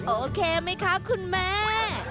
โอเคมั้ยครับคุณแม่